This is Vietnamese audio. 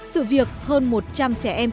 sự việc hơn một trăm linh trẻ em